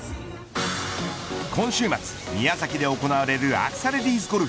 今週末、宮崎で行われるアクサレディス